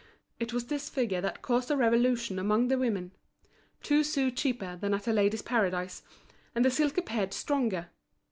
It was this figure that caused a revolution among the women; two sous cheaper than at The Ladies' Paradise, and the silk appeared stronger.